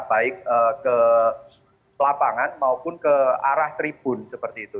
baik ke lapangan maupun ke arah tribun seperti itu